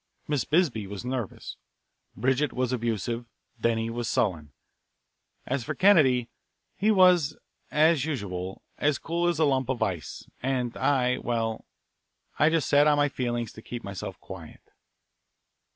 Miss Bisbee was nervous, Bridget was abusive, Denny was sullen. As for Kennedy, he was, as usual, as cool as a lump of ice. And I well, I just sat on my feelings to keep myself quiet.